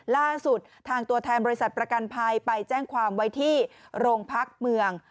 ล่าสุดทางตัวแทนบริษัทประกันภัยไปแจ้งความไว้ที่โรงพักเมือง